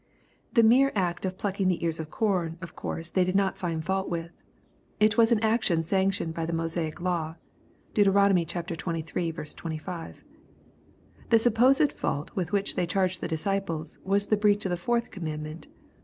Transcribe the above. The mere act of pluck ing the ears of corn of course they did not find fault with. It was an action sanctioned by the Mosaic law. (Deut. xxiii. 25.) The supposed fault with which they charged the disciples, was the breach of the fourth com mandment.